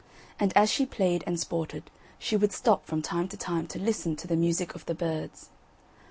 And as she played and sported she would stop from time to time to listen to the music of the birds.